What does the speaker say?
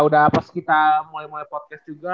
udah pas kita mulai mulai podcast juga